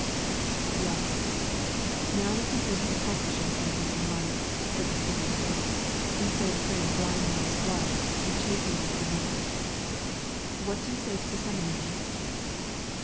"Yes, now we can think of accomplishing something in life," said the school master, "instead of playing blind man's buff, and chasing after numbers. What do you say to the seminary?"